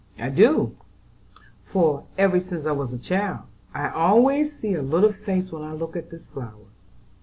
"I do; for, ever since I was a child, I always see a little face when I look at this flower.